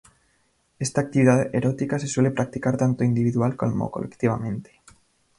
Esta actividad erótica se suele practicar tanto individual como colectivamente.